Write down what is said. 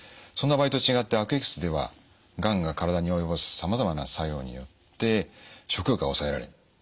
そんな場合と違って悪液質ではがんが体に及ぼすさまざまな作用によって食欲が抑えられる。